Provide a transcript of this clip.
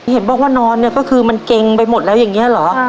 เห็นบอกว่านอนเนี่ยก็คือมันเกรงไปหมดแล้วอย่างนี้เหรอ